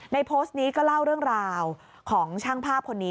โพสต์นี้ก็เล่าเรื่องราวของช่างภาพคนนี้